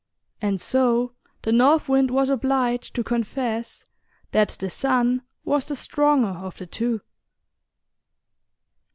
And so the North Wind was obliged to confess that the Sun was the stronger of the two.